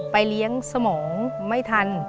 เลี้ยงสมองไม่ทัน